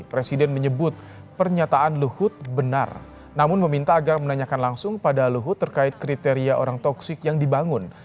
presiden menyebut pernyataan luhut benar namun meminta agar menanyakan langsung pada luhut terkait kriteria orang toksik yang dibangun